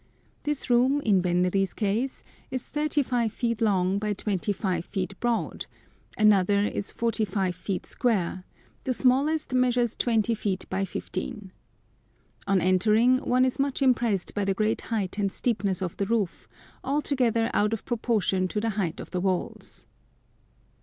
This room in Benri's case is 35 feet long by 25 feet broad, another is 45 feet square, the smallest measures 20 feet by 15. On entering, one is much impressed by the great height and steepness of the roof, altogether out of proportion to the height of the walls.